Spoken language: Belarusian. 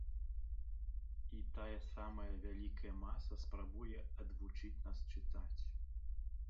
І тая самая вялікая маса спрабуе адвучыць нас чытаць.